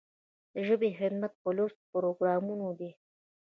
د ژبې خدمت په لوست پروګرامونو دی.